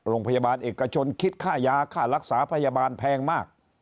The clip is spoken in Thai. โรงพยาบาลเอกชนคิดค่ายาค่ารักษาพยาบาลแพงมาก